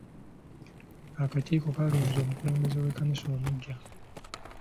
Akakiiko kalonze omukulembeze w'ekkanisa omuggya.